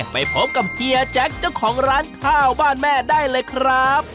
ไปพบกับเฮียแจ็คเจ้าของร้านข้าวบ้านแม่ได้เลยครับ